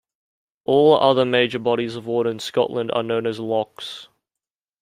All other major bodies of water in Scotland are known as lochs.